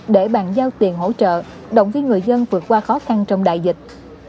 để bàn giao tiền hỗ trợ động viên người dân vượt qua khó khăn trong đại dịch